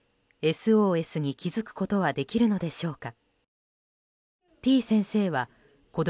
ＳＯＳに気づくことはできるのでしょうか。